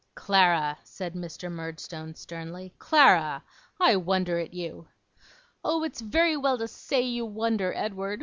'Clara!' said Mr. Murdstone sternly. 'Clara! I wonder at you.' 'Oh, it's very well to say you wonder, Edward!